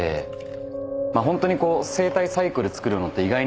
ホントにこう生態サイクル作るのって意外に難しくて。